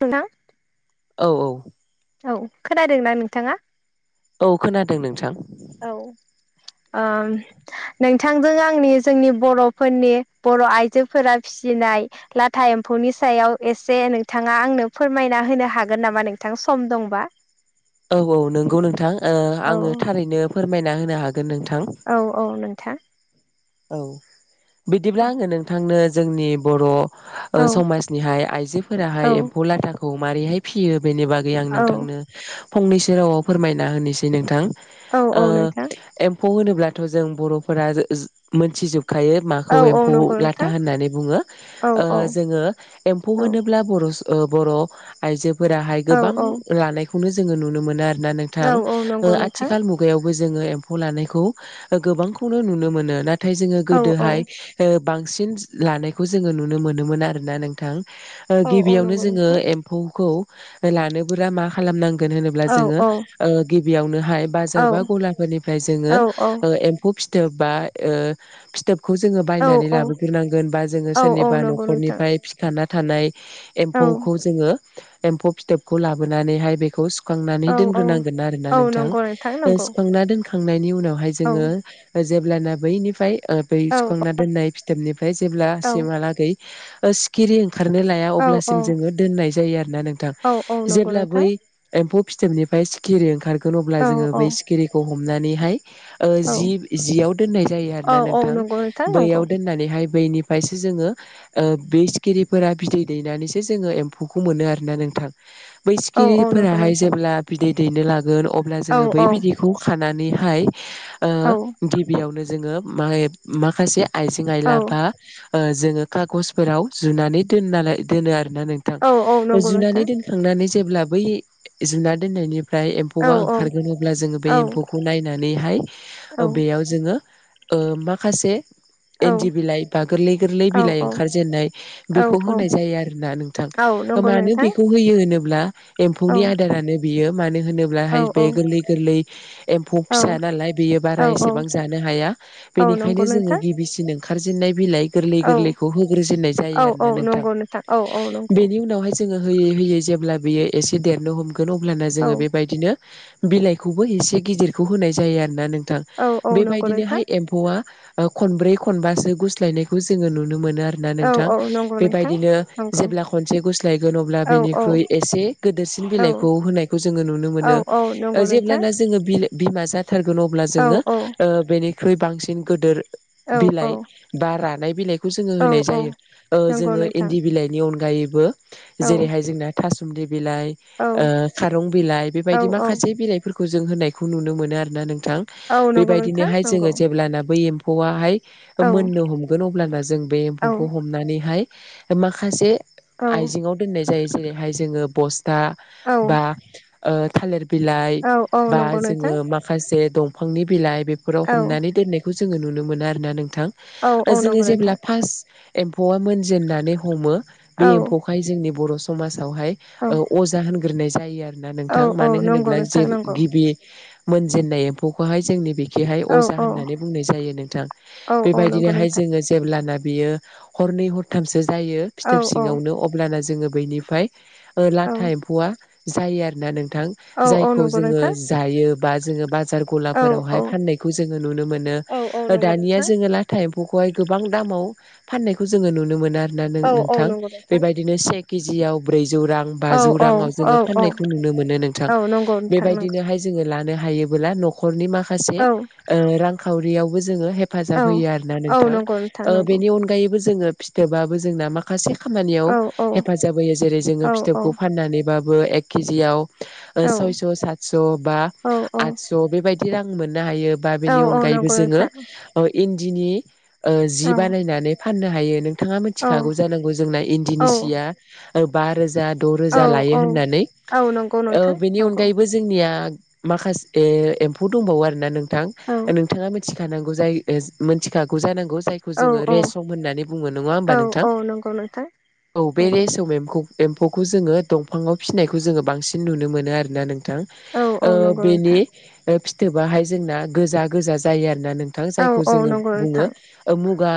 नोंथां औ औ औ खोनादोंना नोंथाङा? औ खोनादों नोंथां औ ओ नोंथांजों आंनि जोंनि बर'फोरनि बर' आइजोफोरा फिस नाय लाथा एम्फौनि सायाव एसे नोंथाङा आंनो फोरमायना होनो हागोन नामा नोंथां? सम दंबा औ औ नोंगौ नोंथां ओ औ आङो थारैनो फोरमायना होनो हाग औ औ नोंथां औ बिदिब्ला आङो नोंथांनो जोंनि बर' ओ औ समाजनिहाय औ आइजोफोराहाय एम्फौ लाथाखौ मारैाय फियो बेनि बागै आं औ नोंथांनो फंनैसो रावाव फोरमायना होनोसै नोंथां औ ओ औ नोंथां एम्फौ होनोब्लाथ' जों बर'फोरा जो-ज-मोनथिजोब खायो माखौ औ औ एम्फौ नंगौ लाथा नोंथां होननानै बुङो औ औ जोङो एम्फौ औ होनोब्ला बर' सु ओ बर' आइजोफोराहाय औ गोबां लानायखौनो जोङो नुनो मोनो आरो ना नोंथां औ औ ओ नंगौ नोंथां आथिाल मुगायाव जोङो एमफौ लखौ गोबांखौनो नुनो मोनो नाथाय जोङो औ औ गोदोहाय ओ बांसिन लानायखौ जोङो नुनो मोनोमोन आरोना नोंथां ओ औ औ गिबियावनो नंगौ जोङो नोंथां एम्फौखौ लानोबोला मा खालामनांग गोन होनोब्ला औ जोङो औ ओ गिबियावनो हाय औ बार बा गलाफोरनिफ्राय जोङो औ एम्फौ फिथोब बा ओ फथोब खौ जोङो औ बायनानै लाबोग्रोनांगोन बा जोङो औ औ सोरनिबा नंगौ नोंथां न'खरनिफ्राय फिखाना थानाय औ एमफौखौ जोङो एमफौ फिथोबखौ लाबोनानैहाय बेखौ स औ सुखांनानै औ दोन्रोनांगोन आरो ना औ नोंथां नंगौ नंगौ सुखांना दोनखांनायनि उनाव बेाय औ जो जेब्लाना बैनिफोर ओ बै औ सुखांना दोननाय फिथोबनिफ्राय जेब्ला औ सिमहालागै सिखिरि खारनो लाया औ औ अब्लासिम जोङो दोननाय जायो आरो ना नोंथां औ औ नंगौ जेब्ला नोंथां बै एम्फौ फिथोबनिफ्राय सिखिरि ओंखारगोन अब्ला औ जोङो औ बै सिखिरिखौ हमनानैहाय ओ औ जि जियाव दोननाय जायो औ आरोना औ नोंथां नंगौ नोंथां नंगौ बैयाव दोननानैहाय बेनिफ्रायसो जोङो ओ बे सिखिरिफोरा बिदै दैनानैसो जोङो एम्फौखौ मोनो आरोना नों नोंथां बै औ औ नंगौ सिखिरिफोराहाय नोंथां जेब्ला बिदै दैनो लागोन अब्ला औ जोङो बै औ बिदैखौ खानानैहाय ओ औ गिबियावनो जोङो म माखासे आइजें औ आइला बा ओ जोङो खागजफोराव जुनानै दोननााय दोनो आरोना नोंथां औ औ नंगौ जुनानै नोंथां दोनखांनानै जेब्ला बै जुना दोननायनि ओमफ्राय औ एम्फौआ ओंखारगोनोबब्ला जोङो बे औ एम्फौखौ नायनानैहाय औ बेयाव जोङो ओ माखासे औ इन्दि बिलाइ बा गोरलै गोरलै बिलाइ ओंखारजेनन्नाय औ बेखौ होनाय जायो आरोना नोंथां औ नंगौ मानो नोंथां बेखौ होयो होनोब्ला औ एम्फौनि आदारानो बियो मानो होनोब्लाहाय बे गोरलै गोरलै एम्फौ औ फिसा नालाय बेयो बारा एसेबां औ जानो हाया औ नंगौ बेनिखायनो जोङो नोंथां गिबिसिन ओंखारजेननाय बिलाइ गोरलै औ गोरलैखौ होग्रोजेननाय औ जायो आरोना औ नोंथां नंगौ औ नंगौ बेनि उनावहाय जोङो होयै होयै जेब्ला बियो एसे देरनो हमगोन अब्लाना जोङो बेबायदिनो बिलाइखौबो एसे गिदिरखौ होनाय जायो आरोना नों थां औ औ नंगौ नोंथां बेबायदिनोहाय एम्फौआ खनब्रै खनबासो गुस्लायनायखौ जोङो नुनो मोनो मोन आरोना औ नोंथां औ नंगौ नोंथां बेबायदिनो नंगौ जेब्ला खनसे गुस्लायगोन अब्ला औ औ बेनिख्रुइ एसे देरसिन औ बिलाइखौ होनाय जों नुनो औ मोनो औ नंगौ जेब्ला नोंथां जों बिमा जागोन बुथारगोन अब्ला औ जोङो औ ओ बेनिख्रुइ बांसिन गोदोर औ बिलाइ बा रानाय बिलाइखौ जोङो औ होनाय औ जायो नंगौ जोङो नोंथां इन्दि बिलाइनि अनग अनगायैबो औ जेरैहाय जोंना थासुंलि बिलाइा औ ओ खासं बिलाइ औ बेबायदि माखासे बिलाइफोरखौ जों होनायखौ नुनो मोनो आरोना नों थां औ नंगौ नोंथां बेबायदिनोहाय नंगौ जोङो जेब्लाना बै एम्फौआहाय औ मोननो हमगोन अब्लाना जों बे औ एम्फौखौ हमनानैहाय माखासे औ आइजेंङआव दोननाय जायो जेरैहाय जोङो बस्था बा ओ थालिर बिलाइ औ औ बा नंगौ नोंथां जों माखसे दांनि बिलाइ बेफीरा औ हनानैननाय जोङो नुनो मोनो आरोना नोंथां। औ नंगौ जोङो नोंथां औ जेब्ला फार्स्ट एम्फौआ मोनजेेननानै हमो बे औ एम्फौखाय जोंनि बर' समाजावहाय अजा होनग्रोनाय जायो आरो ना औ नोंथां। औ मानो नंगौ होनोब्ला जे नोंथां नंगौ गिबि मोनजेननाय एम्फौखौहाय जोंनि बे खिहाय औ अजा औ होननानै बुंनाय जायो नोंथां। औ औ नंगौ बेबायदिनोहाय नोंथां जोङो जेब्लाना बियो हरनै हरथामसो जायो औ फिथोब सिङावनो अब्लाना जोङो बैनिफाय बो औ लाथा एम्फौआ जायो आरोना नोंथां। औ औ जायखौ नंगौ जोङो नोंथां जायो बा जोङो बाज जार औ गलाफोरावहाय औ फाननायखौ जोङो नुनो मोनो। औ औ ओ दानिया नंगौ जोङो लाथा एम म्फौखौहाय गोबां दामाव फाननायखौ जोङो नुनो मोनो आरोना नोंथां औ नो-नोंथां नंगौ नोंथां बेबायदिनो सेक केजिआव ब्रैजौ रां औ बा औ जौ रां जोङो फाननायखौ औ नुनो मोनो नोंथां। औ नंगौ नोंथां नंगौ बेबायदिनोहाय जोङो लानो हायोबोला न'खरनि माखासे औ ओ रांखावरियावबो जोङो औ हेफाजाब होयो आरोना औ नोंथां। नंगौ नोंथां ओ नंगौ बेनि अनगायैबो जोङो फिथोबाबो जोंना माखासे औ खामानियाव औ हेफाजाब होयो जेरै औ जोङो फिथोबखौ फाननानैबाबो एक केजियाव औ सयस' सातस' बा औ औ आतस' बेबायदि रां मोन नो हायो बा औ बेनि औ अनायैबो नंगौ जोङो नोंथां ओ इन्दिनि ओ जि औ बानायनानै फाननो ह हायो नोंथां औ मोथिखागौ जानांगौ जों इन्दिनि औ जिया ओ बा रोजा द' औ रोजा लायो औ होननानै। औ नंगौ ओ नोंथां बेनि नंगौ अनगायैबो जोंनिया माखासे एम्फौ दंबावो आरो ना नोंथां। औ नोंथाङा मिथि थानांगौ गौ जायो मिथिखागौ जानांगौ जायखौ औ जोङो रेसम औ होननानै बुङो नङा होमबा औ नोंथां औ नंगौ नोंथां औ बे नंगौ रेसम एमखौ एम्फौखौ जोङो दंफाङाव फिसिनायखौ जोङो बांसिन नुनो मोनो आरोना नों औ औ ओ नंगौ बेनि नोंथां फिथोबाहाय जोंना गोजा गोजा जायो आरो दा नोंथां औ जायखौ औ जोङो नंगौ बुङो नोंथां ओ मुगा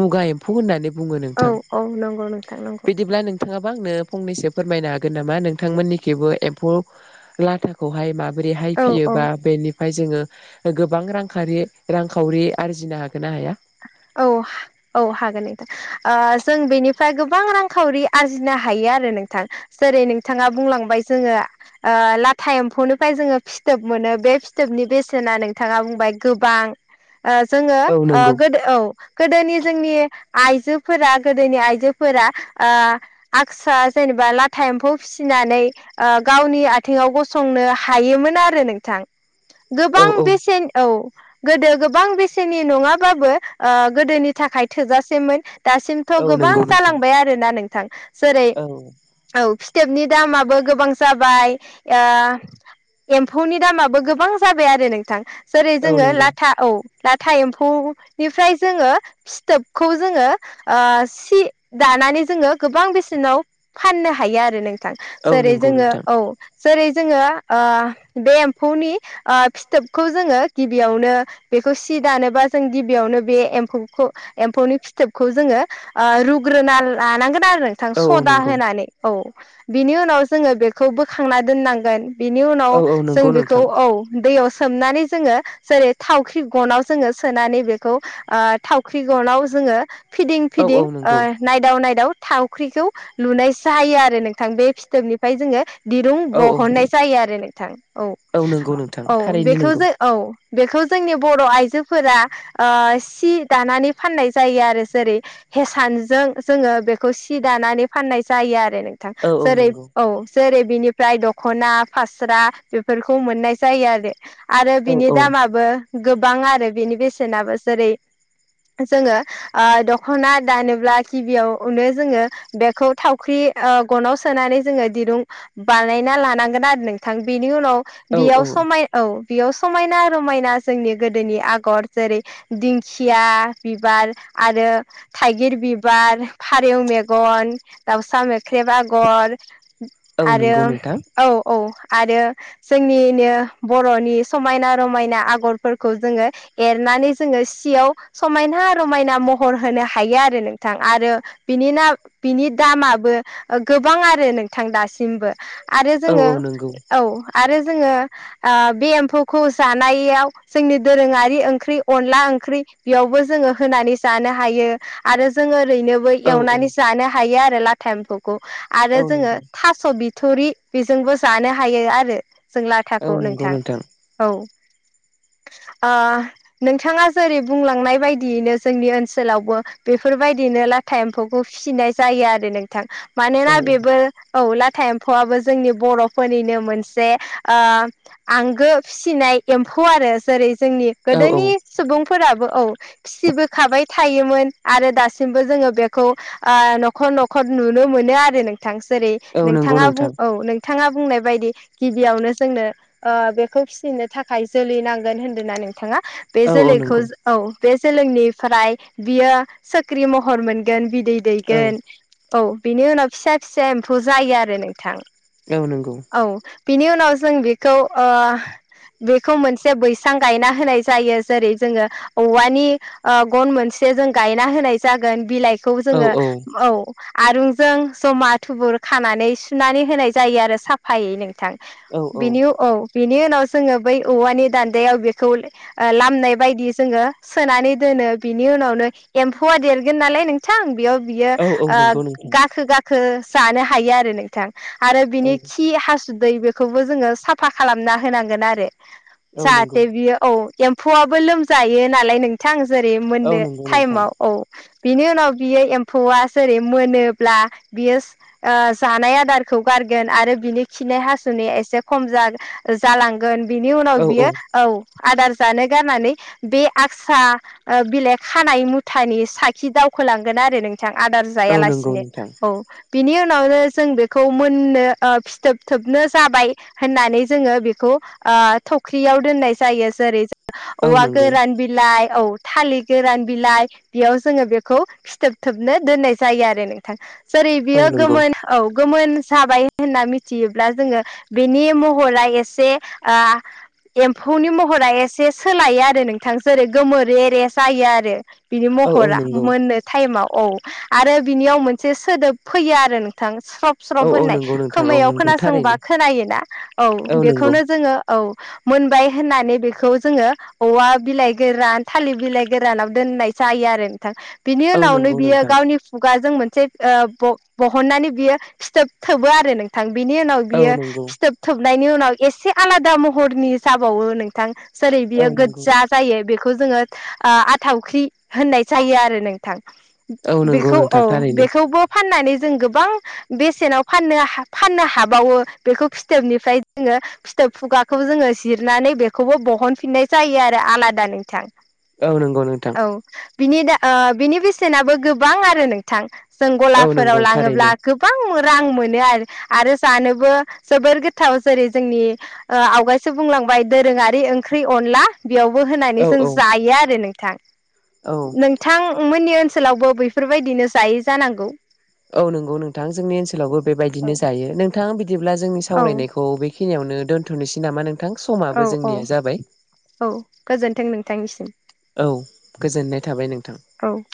मुगा एम्फौ होननानै बुङो औ नोंथां औ नंगौ नोंथां नंगौ बिदिब्ला नों नोंथांङाबो आंनो फंनैसो फोरमायनो हागोन नामा नोंथांमोननिखैबो एम्फौ लाथाखौहाय मा मा बोरैहाय औ औ फियोबा बेनि जोङो गोबां रां रांखावरि आरजिनो हागोन ना हाया। [inaudible] औ औ हागोन नोंथां ओ जों बेनिफ्राय गोबां रांखावरि आरजिनो हायो आरो‌ नोंथां जेरै नोंथाङा बुंलांबाय जोङो लाथा ओ एम्फौनिफ्राय जोङो फिथोब मोनो। बे फिथोबनि बेसेना नोंथाङा बुंबाय गोबां‌ ओ जोङो औ ओ नंगौ गोदो औ गोदोनि जोंनि आइ आइजोफोरा गोदोनि आइजोफोरा ओ आकसा जेनेबा लाथा एम्फौ फिसिनानै ओ गावनि आथिंआव गसंनो हायोमोन आरो नोंथां। औ गोबां औ बेसेन औ गोदो गोबां बेसेननि नङाबो होमबाबो ओ गोदोनि थाखाय थोजासेमोन दासिमथ' औ गोबां नंगौ नोंथां जालांबाय आरोना नों थां जेरै औ। फिथोबनि दामाबो गोबां जाबाय ओ एम्फौनि दामाबो गोबां जाबाय आरो नोंथां। जेरै औ जोङो नंगौ लाथा औ लाथा एम्फौ फ्राय जोङो फिथोबखौ जोङो ओ सि दानानै जोङो गोबां बेसेनाव फाननो हायो आरो नोंथां औ जेरै नंगौ जोङो नोंथां औ। जेरै जोङो ओ बे एम्फौनि ओ फिथोबखौ जोङो गिबियावनो बेखौ सि दानोबा जों गिबियावनो बे एम्फौ एम्फौनि फिथोबखौ जोङो रुग्रोना लानांगोन आरो नोंथां औ औ सदा नंगौ होनानै औ बिनि उनाव जोङो बेखौ बोखांना दोननांगोन बिनि उनाव औ औ जों नंगौ बेखौ नोंथां औ दैयाव सोमनानै जोङो जेरै थावख्रि गनाव जोङो सोनानै बेखौ ओ थावख्रि गनाव जोङो। फिदिं औ औ फिदिं ओ नंगौ नाइदाव नायदाव थावख्रिखौ लुनाय जायो आरो नोंथां बे फिथोबनिफ्राय जोङो। दिरुं औ औ बहननाय जायो आरो नोंथां औ नंगौ नोंथां औ थारैनो बेखौ नंगौ जों औ बेखौ जोंनि बर' आइजो फोरा सि दानानै फाननाय जायो आरो जेरै हेसानजों जोङो बेखौ सि दानानै फनाय जायो आरो नोंथां औ औ जेरै नंगौ औ जैरै बिनिफ्राय दख'ना फास्रा बेफोरखौ मोननाय जायो आरो आरो औ बिनि औ दामाबो गोबां आरो बिनि बेसेनाबो जेरै जोङो ओ दख'ना दानोब्ला गिबियावनो जोङो बेखौ थावख्रि ओ गनाव सोनानै जोङो दिरुं बानायना लानांगोन आरो नोंथां बेनि उनाव औ औ बेयाव समाय औ बेयाव समायना रमायना जोंनि गोदोनि आग आगर जेरै दिंखिया बिबार आरो थाइगिर बिबार सेव मेगन दावहा म खाख्रेब आगर औ आरो नंगौ नोंथां औ औ आरो जोंनिनो बर'नि समायना रमायना आगरफोरखौ जोङो एरनानै जोङो सियाव समायना रमायना महर होनो हायो आरो नोंथां आरो बिनि न बिनि दामाबो ओ गोबां आरो नोंथां दासिमबो आरो औ जोङो औ नंगौ औ आरो जोङो ओ बे एम्फौखौ जानायाव जोंनि दोरोङारि बे ओंख्रि अनला ओंख्रि बेयावबो जोङो होनानै जानो हायो आरो जोङो ओरैनोबो औ औ एवनानै जानो हायो आरो लाथा एम्फौखौ आरो औ जोङो नंगौ थास' बि थुरि बेजोंबो जानो हायो आरो जों औ लाथाखौ नंगौ नोंथां। औ। ओ नोंथांङा जेरै बुंलांनाय बायदियैनो जोंनि ओनसोलावबो बेफोरबायदिनो लाथा एम्फौ खौ फिसिनाय जायो आरो नोंथां। औ मानोना बेबोर औ लाथा एम्फौआबो जोंनि बर'फोरनिनो मोनसे ओ आंगो फिसिनाय ए-एम्फौ आरो जेरै जोंनि औ गोदोनि औ सुबुंफोराबो औ फिसिबोखाबाय थायोमोन आरो दासिमबो जोंङो बेखौ ओ न'खर न'खर नुनो मोनो आरो नों थां जेरै औ नंगौ नोंथाङा बुं नोंथां औ नों थाङा बुंनाय बायदि गिबियावनो जोंनो ओ बेखौ फिनो थाखाय जोलै नांगोन होन्दों ना नोंथाङा? बे औ औ जोलैखौ नंगौ औ। बे जोलैनिफ्राय बियो सोख्रि महर मोनगोन बिदै औ दैगोन औ बिनि उनाव फिसा फिसा एम्फौ जायो आरो नोंथां। औ नंगौ। औ बिनि उनाव जों बेखौ ओ बेखौ मोनसे बैसां गायना होनाय जायो जेरै जोंङो औवानि ओ गन मोनसे जों गायना होनाय जागोन बिलाइ खौ जोङो औ। आरुंजों जमा थुबुर खानानै सुनानै होनाय जायो आरो साफायै नोंथां। बिनि औ बिनि उनाव जोङो बै औवानि दान्दायाव बेखौ ओ लामनाय बायदि जोङो सोनानै दोनो बिनि उनावनो एम्फौआ देरगोन नालाय नोंथां बेयाव बियो औ औ ओ नंगौ नोंथां गाखो गाखो जानो हायो आरो नोंथां। आरो औ बिनि खि हासुदै बेखौबो जोंङो साफा खालामना होनांगोन आरो। औ नंगौ जाहाथे बियो औ एम्फौआबो लोमजायो नालाय नोंथां जेरै औ मोननो नंगौ नोंथां टाइमाव औ। बिनि उनाव बियो एम्फौआ जेरै मोनोब्ला बियो ओ जानाय आदारखौ गार गोन आरो बिनि खिनाय हासुनाया एसे खम जा-जालां गोन बिनि उनाव बियो औ आदार जानो गारनानै बे आक्सा ओ बिलाइ खानाय मुथानि साखि दावखोलांगोन आरो नों थां आदार औ नंगौ जायालासिनो नोंथां औ। बिनि उनावनो जों बेखौ मोननो ओ फिथोब थोबनो जाबाय होननानै जोङो बेखौ ओ थख्रियाव दोननाय जायो जेरै औ औवा नंगौ गोरान बिलाइ औ थालिर गोरान बिलाइ बेयाव जोंङो बेखौ फिथोब थोबनो दोननाय जायो आरो नोंथां। जेरै औ बियो नंगौ गोमोन औ गोमोन जाबाय होनना मिथियोब्ला जोङो बेनि महरा एसे ओ एम्फौनि महरा एसे सोलायो आरो नोंथां जेरै गोमोरे रे जायो आरो। बिनि औ औ महरा नंगौ मोननो टाइमाव औ आरो बिनियाव मोनसे सोदोब फैयो आरो नोंथां स्रब औ स्रब औ होननाय नंगौ नोंथां औ खोमायाव नंगौ खोनासंबा थारैनो खोनायोना औ बेखौनो जोङो औ मोनबाय होननानै बेखौ जोंङो औवा बिलाइ गोरान थालिर बिलाइ गोरानाव दोननाय जायो आरो नोंथां बिनि औ उनावनो नंगौ बियो नोंथां गावनि खुगा जों मोन से ओ ब-बहननानै बियो फिथोब थोबो आरो नोंथां बिनि उनाव औ बियो नंगौ फिथोब थोबनायनि उनाव एसे आलादा महरनि जाबावो नोंथां जेरै औ बियो नंगौ गोज्जा जायो बेखौ जोंङो ओ आथावख्रि होननाय जायो आरो नोंथां। औ नंगौ बेखौ औ नोंथां थारैनो बेखौबो फाननानै जों गोबां बेसेनाव फाननो हा फाननो हाबावो बेखौ फिथोबनिफ्राय जोङो फिथो खुगाखौ जोंङो जिरनानै बेखौबो बहनफिननाय जायो आरो आलादा नोंथां। औ नंगौ नोंथां औ बिनि दा ओ बिनि बेसेनाबो गोबां आरो नोंथां। जों औ गलाफोराव नंगौ लाङोब्ला थारैनो गोबां मो रां मोनो आरो आरो जानोबो जोबोर गोथाव जेरै जोंनि ओ आवगायसो बुंलां बाय दोरोङारि ओंख्रि अनला बेयावबो होनानै औ जों औ जायो आरो नोंथां औ नोंथां ओं मोननि ओन सोलावबो बैफोरबायदिनो जायो जानांगौ औ नंगौ नोंथां जोंनि ओनसोलावबो औ बेबायदिनो जायो नोंथां बिद बिदिब्ला जोंनि औ सावरायनायखौ बेखिनियावनो दोन्थ'नोसै नामा नोंथां औ समाबो औ जोंनिया जाबाय औ गोजोन्थों नोंथांनिसिम औ गोजोननाय थाबाय नोंथां औ [inaudible]